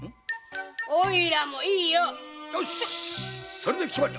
これで決まりだ。